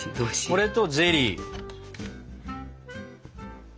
これとゼリー。